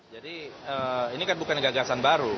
jadi ini kan bukan gagasan baru